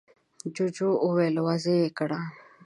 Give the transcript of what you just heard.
جوجو وويل: واضح يې کړه!